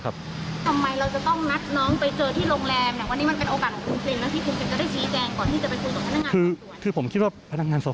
ทำไมเราจะต้องนัดน้องไปเจอที่โรงแรมเนี่ยวันนี้มันเป็นโอกาสของคุณเซ็นแล้วที่คุณจะได้ชี้แจงก่อนที่จะไปคุยกับพนักงานสอบ